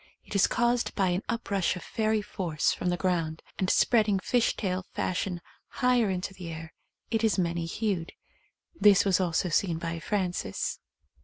It is caused by an uprush of fairy force from the ground — and spreading fish tail fashion higher into the air — it is many hued. This was also seen by Frances.